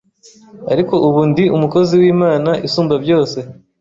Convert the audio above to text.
ariko ubu ndi umukozi w’Imana isumba byose